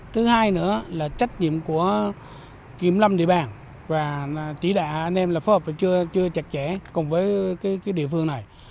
thứ hai nữa là trách nhiệm của kiểm lâm địa bàn và chỉ đạo anh em là phối hợp chưa chặt chẽ cùng với địa phương này